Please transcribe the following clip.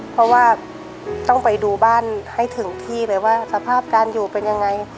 เพราะว่าต้องไปดูบ้านให้ถึงที่เลยว่าสภาพการอยู่เป็นยังไง